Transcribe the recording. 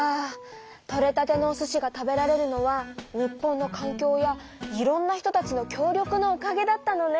とれたてのお寿司が食べられるのは日本のかんきょうやいろんな人たちの協力のおかげだったのね。